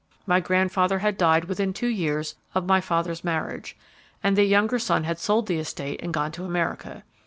My grandfather had died within two years of my father's marriage, and the younger son had sold the estate and gone to America.